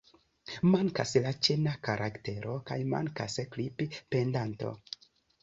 Mankas la ĉena karaktero kaj mankas "klip-pendanto".